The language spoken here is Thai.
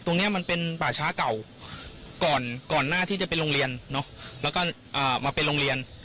ตรงนี้มันเป็นป่าช้าเก่าก่อนก่อนหน้าที่จะเป็นโรงเรียนเนอะแล้วก็มาเป็นโรงเรียน